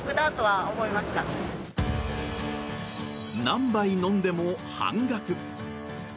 何杯飲んでも半額。